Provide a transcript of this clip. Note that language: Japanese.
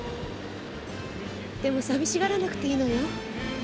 でもさびしがらなくていいのよ。